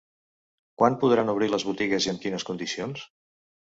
Quan podran obrir les botigues i amb quines condicions?